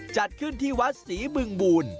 จัดขึ้นที่วัดศรีบึงบูล